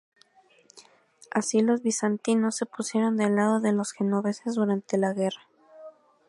Así los Bizantinos se pusieron del lado de los genoveses durante la guerra.